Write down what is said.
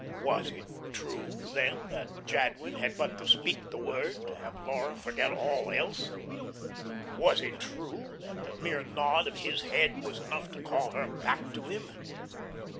Was it true, then, that Jadwin had but to speak the word to have Laura forget all else? Was it true that the mere nod of his head was enough to call her back to him?